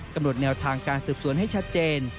แนวทางการสืบสวนให้ชัดเจน